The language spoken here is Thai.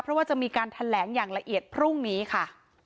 เพราะว่าจะมีการแถลงอย่างละเอียดพรุ่งนี้ค่ะ